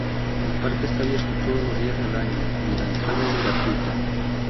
El parque está abierto todos los días del año y la entrada es gratuita.